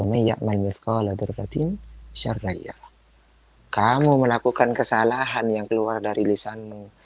umayyad main nuskola darlatin syarriyah kamu melakukan kesalahan yang keluar dari lisanmu